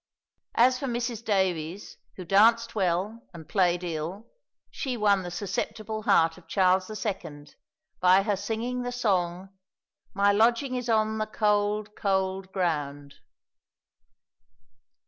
As for Mrs. Davies, who danced well and played ill, she won the susceptible heart of Charles II. by her singing the song, "My lodging is on the cold, cold ground."